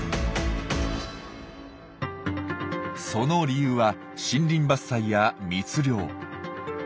その理由は森林伐採や密猟。